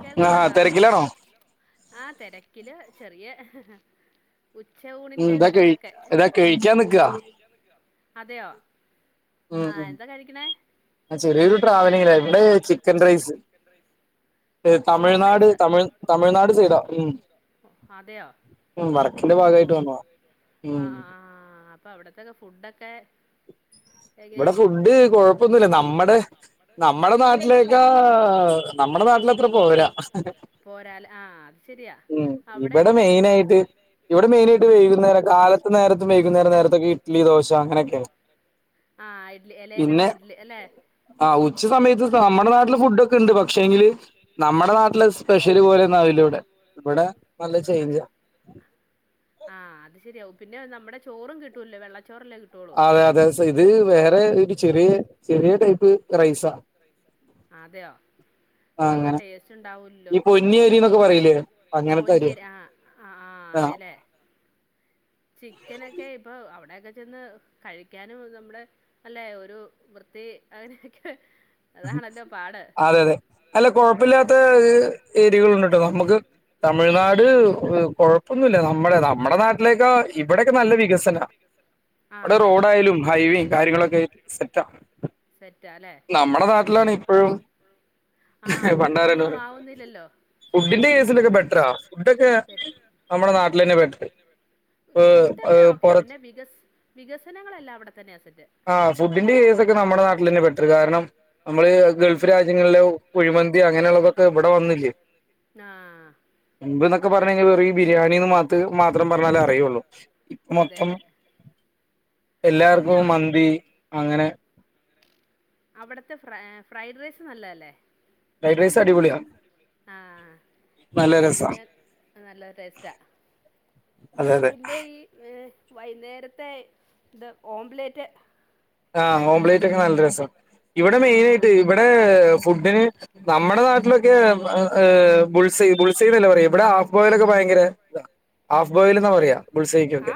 കേൾക്കുന്നുണ്ടോ ആഹ് തിരക്കില് ചെറിയ ഉച്ച ഊണിന്റെ തിരക്കൊക്കെ ഇവടെ കഴിക്കാൻ നിക്ക അതെയോ ആഹ് എന്താ കഴിക്കണേ ആ ചെറിയൊരു ട്രാവലിങ്ങില ഇവിടെ ചിക്കൻ റൈസ് തമിഴ്നാട് തമിഴ് തമിഴ്നാട് സെയ്ഡ ഉം വർ ക്കിന്റെ ഭാഗമായിട്ട് വന്നത ഉം അപ്പ അവിടത്തൊക്കെ ഫുഡൊക്കെ ഇവിടെ ഫുഡ് കൊഴപ്പൊന്നുമില്ല നമ്മുടെ നമ്മുടെ നാട്ടിലേക്കാ നമ്മുടെ നാട്ടിലെ അത്ര പോര ഉ ഇവിടെ മെയിൻ ആയിട്ട് ഇവിടെ മെയിനായിട്ട് വൈകുന്നരം കാലത്ത് നേരത്തും വൈകുന്നരം നേരത്തൊക്കെ ഇഡ്ലി ദോശ അങ്ങനെയൊക്കെയെ ആഹ് ഇഡ്ലി എലയിലുള്ള ഇഡ്ലി അല്ലെ ആഹ് ഉച്ച സമയത്ത് നമ്മുടെ നാട്ടിലെ ഫുഡ് ഒക്കെ ഉണ്ട് പക്ഷെങ്കില് നമ്മുടെ നാട്ടിലെ സ്പെഷ്യല് പോലെ ഒന്നും ആവില്ല ഇവടെ ഇവടെ നല്ല ചേഞ്ച് ആ ആഹ് അത് ശരിയാവും പിന്നെ നമ്മുടെ ചോറും കിട്ടൂല്ലെ വെള്ളച്ചോറല്ലേ കി അതെ അതെ ഇത് വേറെ ഒരു ചെറിയ ചെറിയ ടൈപ്പ് റൈസാ അതെയോ അപ്പൊ ടേസ്റ്റ് ഉണ്ടാവൂലല്ലോ പൊന്നി അരി എന്നൊക്കെ പറയില്ലെ പൊന്നി അരി ആഹ് ആഹ് ആഹ് അതെല്ലേ ചിക്കനൊക്കെ ഇപ്പൊ അവിടയൊക്കെ ചെന്ന് കഴിക്കാനും നമ്മുടെ അല്ലെ ഒരു വൃത്തി അങ്ങനെയൊക്കെ അതാണല്ലോ പാട് അല്ല കൊഴപ്പില്ലാത്ത ഏരിയകളുണ്ട് ട്ടോ നമുക്ക് തമിഴ്നാട് കൊഴപ്പൊന്നുല്ല നമ്മടെ നമ്മുടെ നാട്ടിലേക്ക ഇവിടെയൊക്കെ നല്ല വികസന ഇവിടെ റോഡ് ആയാലും ഹൈവേയും കാര്യങ്ങളൊക്കെ സെറ്റ സെറ്റ ലെ നമ്മളെ നാട്ടിലാണ് ഇപ്പഴും ആഹ് ഒന്നും ആവുന്നില്ലല്ലോ ഫുഡിന്റെ കേസിലൊക്കെ ബെറ്ററ ഫുഡൊക്കെ നമ്മുടെ നാട്ടിൽ തന്നെ ബെറ്റർ ഫുഡൊക്കെ ഓക്കെ പിന്നെ വികസ് വികസനങ്ങളല്ല അവിടെത്തന്നെയ സെറ്റ് ആ ഫുഡിന്റെ കേസ് ഒക്കെ നമ്മുടെ നാട്ടിൽ തന്നെ ബെറ്റർ കാരണം നമ്മളെ ഗൾഫ് രാജ്യങ്ങളിലെ കുഴിമന്തി അങ്ങനെയുള്ളതൊക്കെ ഇവിടെ വന്നില്ലേ ആ മുൻപ് എന്നൊക്കെ പറഞ്ഞഴിഞ്ഞ വെറും ഈ ബിരിയാണിന്ന് മാ മാത്രം പറഞ്ഞാലേ അറിയുള്ളൂ ഇപ്പ മൊത്തം എല്ലാർക്കും മന്തി അങ്ങനെ അവിടത്തെ ഫ്രേ ഫ്രൈഡ് റൈസ് നല്ലതല്ലേ ആ ഫ്രൈഡ് റൈസ് ഞാൻ നല്ല ടേസ്റ്റാ മുട്ട പിന്നെ ഈ വൈന്നേരത്തെ ഇത് ഓംലറ്റ് ആഹ് ഓംപ്ലേറ്റ് ഒക്കെ നല്ല രസ ഇവിടെ മെയിൻ ആയിട്ട് ഇവിടെ ഫുഡിന് നമ്മടെ നാട്ടിലൊക്കെ ഹ് ബുൾ സെയ് ബുൾസൈന്നല്ലെ പറയ ഇവിടെ ഹാഫ്ബോയിലൊക്കെ ഭയങ്കര ദാ ഹാഫ്ബോയിൽ എന്നാ പറയ ബുൾസൈക്കൊക്കെ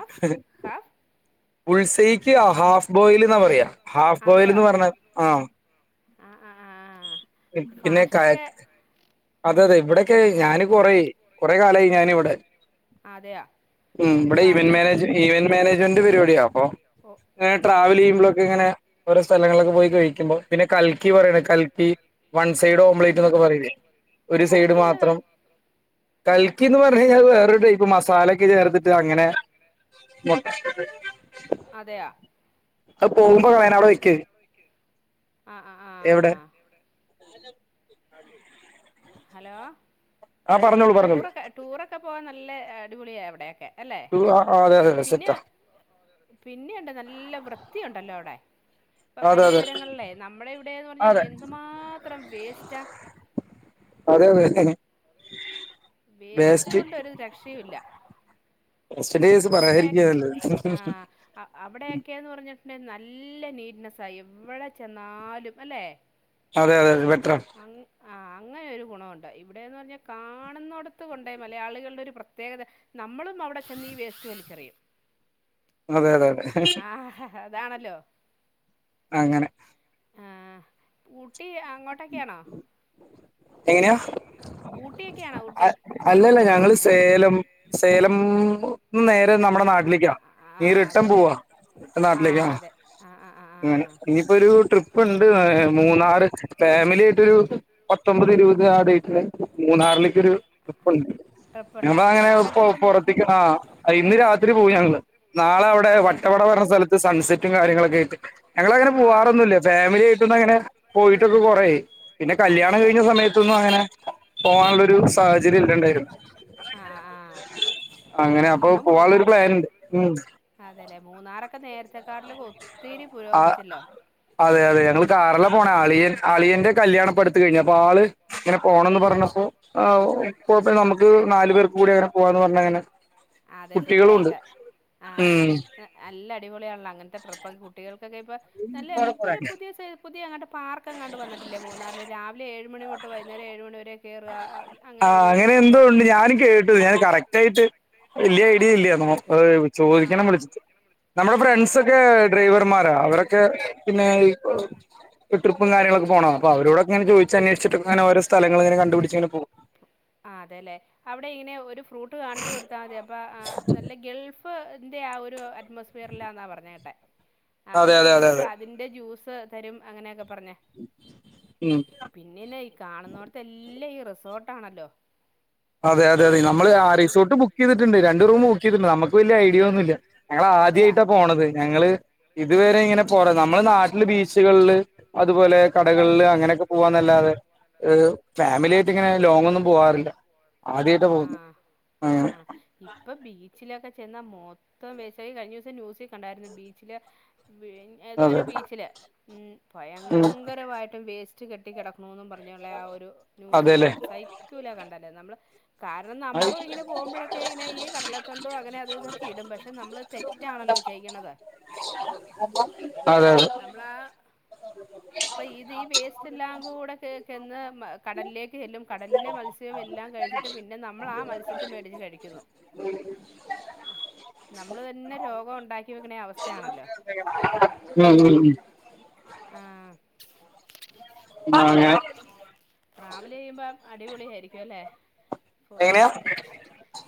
ബുൾസൈക്ക് ഹാഫ് ബോയിൽ ഹാഫ് ബോയിൽന്ന് പറഞ്ഞാൽ ആ ആഹ് ആഹ് ആഹ് ട്രിപ്പ്നൊക്കായ അതെ അതെ ഇവ്ടെയൊക്കെ ഞാനിപ്പൊ കൊറേയ് കൊറേ കാലായി ഞാനിവടെ അതെയാ ഉം ഇബടെ ഇവൻ മാനേജ് ഇവൻ മാനേജ്മെന്റ് പരിപാട്യാ അപ്പോ ങ്ങനെ ട്രാവല് ചെയ്യുമ്പളൊക്കെങ്ങനെ ഓരോ സ്ഥലങ്ങൾലൊക്കെ പോയി കഴിക്കുമ്പോ പിന്നെ കൽക്കി പറയണ കൽക്കി വൺ സൈഡ് ഓംലെയ്റ്റ്ന്നൊക്കെ പറീലേ ഒര് സൈഡ് മാത്രം കൽക്കിന്ന് പർഞ്ഞഴിഞ്ഞാൽ വേറൊര്ടൈപ് മസാലൊക്കെ ചേർത്ത്ട്ട് അങ്ങനെ [unintelligible] അതെയാ ആഹ് ആഹ് എവ്ടെ ഹലോ ടൂറൊക്കെ ടൂറൊക്കെ പോവാൻ നല്ല അടിപൊളിയാ അവ്ടെയൊക്കെ അല്ലേ പിന്നെ പിന്നെയൊണ്ട് നല്ല വൃത്തിയുണ്ടല്ലോ അവ്ടെ ഇപ്പ പരിസരങ്ങൾലേ നമ്മളിവ്ടേന്ന് പറ്ഞ്ഞാ എന്ത്മാത്രം വേസ്റ്റാ അതെ അതെ വേസ്റ്റ് കൊണ്ടൊരു രക്ഷയൂല്ല സ്റ്റഡീസ് അവിടെ ആഹ് അവ്ടെയൊക്കേന്ന് പറ്ഞ്ഞിട്ട്ണ്ടേ നല്ല നീറ്റ്നെസ്സ എവ്ടെ ചെന്നാലും അല്ലേ അങ്ങ് ആഹ് അങ്ങനൊരു ഗുണവൊണ്ട് ഇവിടേന്ന് പറ്ഞ്ഞാ കാണുന്നോടെത്ത് കൊണ്ടോയ് മലയാളികളുടെ ഒരു പ്രത്യേകത നമ്മളും അവിടെ ചെന്നീ വേസ്റ്റ് വലിച്ചെറിയും അതെ അതെ അതെ അതാണല്ലോ അങ്ങനെ ആഹ് ഊട്ടി അങ്ങോട്ടൊക്കാണോ എങ്ങനെയാ അ അല്ലല്ല ഞങ്ങള് സേലം സേലം നേരെ നമ്മുടെ നാട്ടി ട്ട്ലേക്ക ഇനി റൈട്ടൻ പോവാ നാട്ടിലേക്ക അങ്ങനെ ഇനിയിപ്പൊരു ട്രിപ്പുണ്ട് മൂന്നാറ് ഫാമിലി ആയിട്ടൊരു പത്തൊമ്പത് ഇരുപത് ആ ഡേറ്റ്ന് മൂന്നാറിലേക്കൊരു ട്രിപ്പുണ്ട് ഞമ്മളങ്ങനെ പുറത്ത്ക്ക് ആഹ് ഇന്ന് രാത്രി പോവും ഞങ്ങള് നാളവ്ടെ വട്ടവട പറ്ണ സ്ഥലത്ത് സൺസെറ്റും കാര്യങ്ങളൊക്കെയ്ട്ട് ഞങ്ങളങ്ങനെ പോവാറൊന്നൂല്ല ഫാമിലി ആയിട്ടൊന്നങ്ങനെ പോയിട്ടൊക്കെ കൊറേ ആയി പിന്നെ കല്യാ സമയത്തൊന്നും അങ്ങനെ പോവാൻള്ളൊരു സാഹചര്യല്ലണ്ടേയിര്ന്ന് അങ്ങനെ അപ്പൊ പോവാള്ളൊരു പ്ലാൻണ്ട് ഉം അതെല്ലേ മൂന്നാറൊക്കെ നേരത്തെക്കാട്ട്ലും ആഹ് അതെ അതെ ഞങ്ങള് കാറ്ലാ പോണെ അളിയൻ അളിയന്റെ കല്യാണപ്പട്ത്ത് കഴിഞ്ഞു അപ്പ ആള് ങ്ങനെ പോണംന്ന് പറ്ഞ്ഞപ്പോ ആഹ് കൊഴ്പ്പല്ല നമ്മക്ക് നാല് പേർക്ക് കൂടി അങ്ങനെ പോവാന്ന് പറ്ഞ്ഞങ്ങനെ അതെ സെറ്റായിട്ട് ആഹ് നല്ല അടിപൊളിയാണല്ലോ അങ്ങനത്തെ ട്രിപ്പൊക്കെ കുട്ടികൾക്കൊക്കെ ഇപ്പ നല്ല ഒരു പുതിയ പുതിയെങ്ങാട്ട് പാർക്കെങ്ങാണ്ട് വന്ന്ട്ടില്ലെ മൂന്നാറ്ൽ രാവിലെ ഏഴ്മണി തൊട്ട് വൈന്നേരം ഏഴ് മണിവരെ കേറുവ അങ്ങനെ ഒരു സംഭവം ഞാനും കേട്ടു ഞാൻ കറക്റ്റ് ആയിട്ട് വല്യെ ഐഡ്യില്ല നമ്മക്ക് ചോദിക്കണം വിളിച്ചിട്ട് നമ്മുടെ ഫ്രണ്ട്സൊക്കെ ഡ്രൈവർമാരാ അവരൊക്കെ പിന്നെ ട്രപ്പും കാര്യങ്ങളൊക്കെ പോണതാ അപ്പോ അവരോടൊക്കെങ്ങനെ ചോയ്ച്ചന്വേഷ്ച്ച്ട്ടും അങ്ങനെ ഓരോ സ്ഥലങ്ങള്ങ്ങനെ കണ്ടുപിട്ച്ച്ങ്ങനെ പോവും ആഹ് അതെല്ലേ അവിടെ ഇങ്ങനെ ഒരു ഫ്രൂട്ട് കാണിച്ചു കൊടുത്താൽ മതി അപ്പൊ നല്ല ഗൾഫ് ആ ഒരു അറ്റ്മോസ്ഫിയർല്ലാന്നാ പറഞ്ഞ് കേട്ടെ അപ്പ ഫ്രൂട്ട്സ് തിന്റെ ജ്യൂസ് തരും അങ്ങനെയൊക്കെ പറഞ്ഞാ ഉം പിന്നന്നെ ഈ കാണുന്നോടത്തെല്ലും ഈ റിസോർട്ടാണല്ലോ അതെ അതെതെ നമ്മള് ആ റിസോർട് ബുക്ക് ചെയ്തിട്ടുണ്ട് രണ്ട് റൂം ബുകീതിട്ടുണ്ട് നമക്ക് വലിയ ഐഡിയ ഒന്നുംല്ല ഞങ്ങള ആദ്യമായിട്ടാ പോണത് ഞങ്ങള് ഇതുവരെ ഇങ്ങനെ പോറ നമ്മള് നാട്ടില് ബീച്ചുകളില് അതുപോലെ കടകളില് അങ്ങനെയൊക്കെ പോവാന്നല്ലാതെ ഫാമിലി ആായിട്ട് ഇങ്ങനെ ലോങ്ങൊന്നും പോവാറില്ല ആഹ് അആഹ് ഇപ്പൊ ബീച്ചിലൊക്കെ ചെന്ന മൊത്തം വേസ റ്റായി കഴിഞ്ഞ ദിവസം ന്യൂസിൽ കണ്ടായിരുന്നു ബീച്ചില് ഏതോ ഒരു ബീച്ചില് ഉം ഭയങ്കരമായിട്ട് വേസ്റ്റ് റ്റ് കെട്ടിക്കിടകുണൂന്നും പറഞ്ഞുള്ള ആ ഒരു ന്യൂസ് കണ്ടാരുന്നു സൈക്യൂല കണ്ടാൽ നമ്മള് കാരണം നമ്മളും ഇങ്ങനെ പോകുമ്പോഴൊക്കെ ഇങ്ങനെ ഈ കടലത്തൊണ്ടും അങ്ങനെ അത് ഇതൊക്കെ ഇടും പക്ഷെ നമ്മള് തെ റ്റാണല്ലോ ചെയ്യ്ണത് അതെ അതെ ബ്ലാ അപ്പം ഇത് ഈ വേസ്റ്റെല്ലാം കൂടെ കിയക്കന്ന് കടലിലേക്ക് ചെല്ലും കടലിലെ മത്സ്യം എല്ലാം കഴിച്ചി ട്ട് പിന്നെ നമ്മൾ ആ മത്സ്യത്തെ മേടിച്ചു കഴിക്കുന്നു നമ്മൾ തന്നെ രോഗം ഉണ്ടാക്കി വെക്കണ അവസ്ഥയാണല്ലോ [inaudible] ഉം ഉം ഉം [inaudible] ട്രാവൽ ചെയ്യുമ്പോ അടിപൊളിയായിരിക്കും അല്ലേ പ്പോ ഏഹ്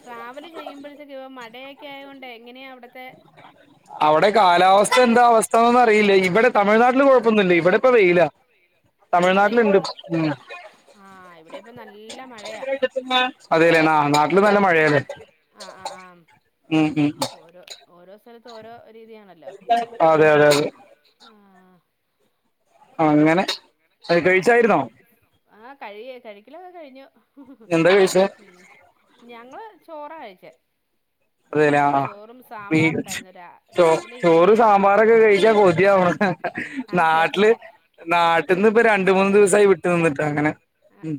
ട്രാവല് ചെയ്യുമ്പോഴത്തേക്ക് ഇപ്പോ മടയൊക്കെ ആയോണ്ട് എങ്ങനെയാ അവിടുത്തെ അവിടെ കാലാവസ്ഥ എന്താ അവസ്ഥന്നൊന്നും അറിയില്ലേ ഇവിടെ തമിഴ്നാട്ടിൽ കുഴപ്പൊന്നില്ലേ ഇബടെ ഇപ്പൊ വെയിലാ തമിഴ്നാട്ടില്ണ്ട് ഉം [inaudible] അതെ അതെലെ നാട്ടില് നല്ല മഴയല്ലേ ഉം ഉം ഓരോ ഓരോ സ്ഥലത്ത് ഓരോ രീതിയാണല്ലോ അതെ അതെ അതെ ആഹ് അങ്ങനെ അഹ് കഴിച്ചായിരുന്നോ ആഹ് കഴിയെ കഴിക്കലൊക്കെ കഴിഞ്ഞു ഉം ഞങ്ങള് ചോറ കഴിച്ചെ അതെല്ലേ ആഹ് [unintelligible] ചോ ചോറ് സാമ്പാറൊക്കെ കഴിച്ചാൻ കൊതിയാവ്ണ് നാട്ടില് നാട്ടിന്ന്പ്പൊ രണ്ട് മൂന്നു ദിവസായി വിട്ട് നിന്നിട്ട് അങ്ങനെ ഉം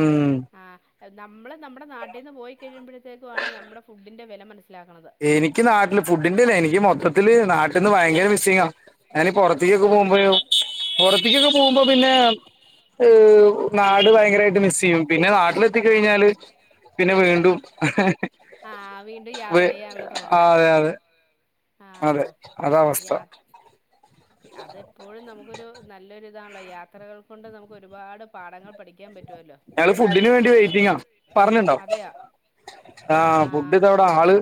ഉം ആഹ് നമ്മൾ നമ്മുടെ നാട്ടിൽ നിന്ന് പോയിക്കഴിയുമ്പോഴത്തേക്കും ആണ് നമ്മുടെ ഫുഡിൻ്റെ വില മനസ്സിലാക്ണത് എനിക്ക് നാട്ടില് ഫുഡിന്റെല്ല എനിക്ക് മൊത്തത്തില് നാട്ടിന്ന് ഭയങ്കര മിസ്സിങ്ങാ ഞാനീ പൊറത്തിക്കൊക്കെ പോകുമ്പയോ പൊറത്തിക്കൊക്കെ പോകുമ്പോ പിന്നെ ഏഹ് നാട് ഭയങ്കരായിട്ട് മിസ് ചെയ്യും പിന്നെ നാട്ടിലെത്തിക്കഴിഞ്ഞാല് പിന്നെ വീണ്ടും വേ അതെ അതെ അതെ അതാ അവസ്ഥ അതെപ്പോഴും നമുക്കൊരു നല്ലൊര് താണല്ലോ യാത്രകൾ കൊണ്ട് നമുക്ക് ഒരുപാട് പാഠങ്ങൾ പഠിക്ക പഠിക്കാൻ പറ്റുമല്ലോ ഞങ്ങള് ഫുഡിന് വേണ്ടി വെയ്റ്റിങ്ങാ പറഞ്ണ്ടോ ആഹ് ഫുഡ് ഇത വ്ടെ ആള്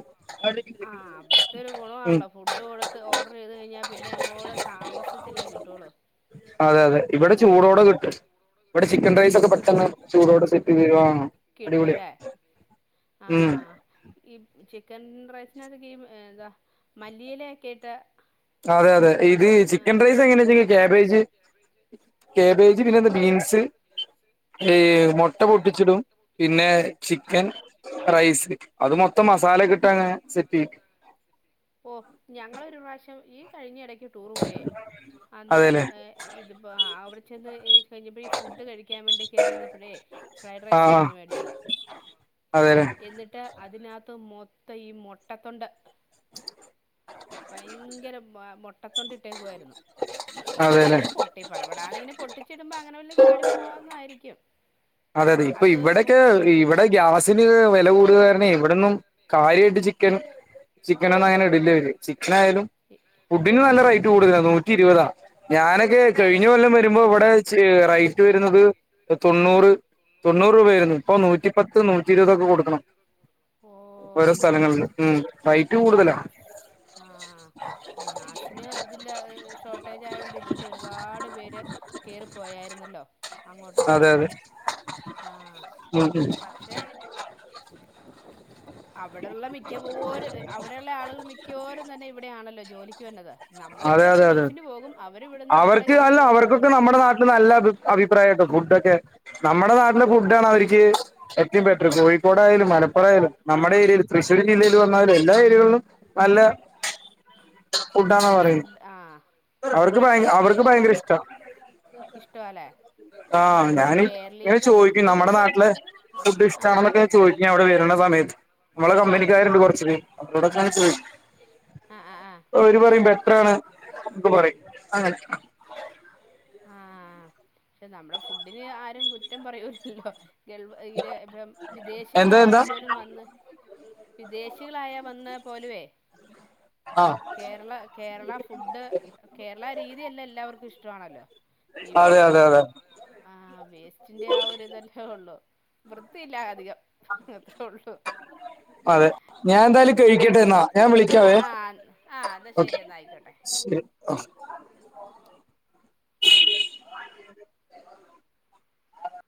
ആഹ് അവിടത്തെ ഒരു ഗുണാണല്ലോ ഫുഡ് കൊടുത്ത് ഓർഡർ ചെയ്ത് കഴിഞ്ഞാ പിന്നെ അങ്ങോട് താമസിച്ചല്ലേ കിട്ടുള്ളൂ അതെ അതെ ഇവിടെ ചൂടോടെ കിട്ടും ഇവിടെ ചിക്കൻ റൈസൊക്കെ പെട്ടെന്ന് ചൂടോടെ സെറ്റിയ്തേരുവാ കിട്ടുല്ലേ ആഹ് ഈ ചിക്കൻ റൈസിനത്തൊക്ക് ഈ എന്താ മല്ലിയിലയൊക്കെയിട്ട് അതെ അതെ ഇത് ചിക്കൻ റൈസ് എങ്ങനാ വെച്ച കെബേജ് കേബേജ് പിന്നെന്ത ബീൻസ് ഏഹ് മുട്ട പൊട്ടിച്ചിടും പിന്നെ ചിക്കൻ റൈസ് അത് മൊത്തം മസാലകിട്ട് അങ്ങനെ സെറ്റ് ചെയ്യും ഓഹ് ഞങ്ങളരു പ്രാവശ്യം ഈ കഴിഞ്ഞ ഇടയ്ക്ക് ടൂറ് പോയേ അന്നേരം ഏഹ് ഇതിപ്പോ അവിടെ ചെന്ന് ഏഹ് കഴിഞ്ഞപ്പോഴേ ഈ ഫുഡ് കഴിക്കാൻ വേണ്ടി കയറിരുന്നപ്പോഴേ ഫ്രൈഡ് റെയ്സയിരുന്നു മേടിച്ചത് അതെല്ലെ ന്നട്ട് അതിനകത്ത് മൊത്തം ഈ മോട്ടതോണ്ട് ഭയങ്കര മുൊട്ടത്തൊണ്ട ഇട്ടേക്കായിരുന്നു ഇങ്ങനെ പൊളി ട്ടെ പടപടാന്ന് ഇങ്ങനെ പൊട്ടിച്ചിടുമ്പോ അങ്ങനെ വല്ല ചാടി പോന്നതായിരിക്കും അതെ അതെ ഇപ്പൊ ഇവിടെയൊക്കെ ഇവടെ വടെ ഗ്യാസിന് വില കൂടുക കാരണം വ്ടോന്നും കാര്യായിട്ട് ചിക്കൻ ചിക്കനൊന്നും അങ്ങനെ ഇട്ല്ലവര് ചിക്കനായാലും ഫുഡിന് നല്ല റേറ്റ് കൂടുതല നൂറ്റി ഇരുപതാ ഞാനൊക്കെ കഴിഞ്ഞഞ് കൊല്ലം വെരുമ്പോ മ്പോ ഇവിടെ റൈറ്റ് വരുന്നത് തൊണ്ണൂറ് തൊണ്ണൂറ് രൂപായിരുന്നു ഇപ്പോ നൂറ്റിപ്പത്ത് നൂറ്റി ഇരുപതൊക്കെ കൊടുക്കണം ഓരോ സ്ഥലങ്ങളില് ഉം റെറ്റ് കൂടുതലാ ആഹ് ഗ്യാസിന് ഇതില്ല ഷോർട്ടേജ് ആയത് കൊണ്ട് ഇവിടുന്ന് ഒരുപാട് പേര്- കേറി പോയാരുന്നല്ലോ. അങ്ങോട്ട് തന്നെ ആ പക്ഷേ അവിടെള്ള മിക്ക പോരും അവിടെയുള്ള ആളുകൾ മിക്കവരും തന്നെ ഇവിടെയാണല്ലോ ജോലിക്ക് വരുന്നത് നമ്മള് ഇവിടുന്ന് ഗൾഫിന് പോകും അവർ ഇവിടന്ന് അവരുടെ ഗൾഫ് പോലെ ഇങ്ങോട്ട് നല്ല അഭി അഭിപ്രായാട്ടോ ഫുഡൊക്കെ- നമ്മുടെ നാട്ടിലെ ഫുഡ് ആണ് അവർക്ക് ഏറ്റവും ബെറ്റർ കോയി കോഴികോടായാലും മലപ്പുറായാലും നമ്മുടെ ഏരിയൽ തൃശൂർ ജില്ലയിൽ വന്നാലും എല്ലാ ഏര്യകളിലും നല്ല ഫു ഡാന്ന പറയണെ അവർക്ക് ഭയ അവർക്ക് ഭയങ്കര ഇഷ്ട ഇഷ്ടവാല്ലേ? ആഹ് ഞാൻ ഇങ്ങനെ ചോയ്ക്കും നമ്മുടെ നാട്ടില് ഫുഡ് ഇഷ്ടണെന്നൊക്കെ? ചോദിക്കും അവിടെ വരണ സമയത്ത് നമ്മളെ കമ്പനിക്കാരുണ്ട് കുറച്ച് പേര് അവരോടൊക്കെ ഇങ്ങനെ ചോയ്ക്കും ഓരു പറയും ബെറ്റർ ആണ് നോക്കെ പറയും അങ്ങനെ ആഹ് പക്ഷെ നമ്മുടെ ഫുഡിന് ആരും കുറ്റം പറയൂലല്ലോ ഗൾ ഇര് ഇപ്പം വിദേശികളായാൽ പോലും വന്ന് വിദേശികളായാ വന്നാൽ പോലുവേ കേരള കേരള ഫുഡ് കേരള രീതിയല്ലെ എല്ലാവർക്കും ഇഷ്ടമാണല്ലോ ഈ വേഹ് അതെ ആഹ് വേസ്റ്റിന്റെ ആ ഒരു ഇതെല്ലേ ഉള്ളു വൃത്തിയില്ല അധികം അത്ര ഒള്ളൂ ആഹ് ആഹ് ന്നാ ശരിയന്നാ ആയിക്കോട്ടെ [unintelligible] ഉ [inaudible]